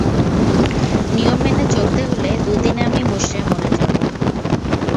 নিয়ম মেনে চলতে হলে দুদিনে আমি মুষড়ে মরে যাব।